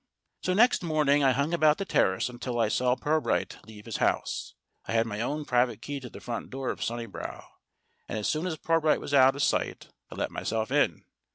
So next morning I hung about the terrace until I saw Pirbright leave his house. I had my own private key to the front door of Sunnibrow; and as soon as Pirbright was out of sight, I let myself in.